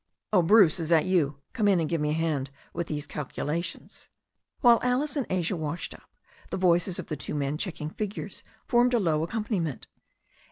"Oh, Bruce, is that you? Come in and give me a hand with these calculations." While Alice and Asia washed up, the voices of the two men checking figures formed a low accompaniment.